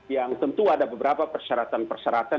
yang tentu ada beberapa persyaratan persyaratan